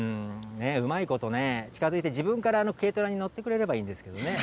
うまいことね、近づいて、自分から軽トラに乗ってくれればい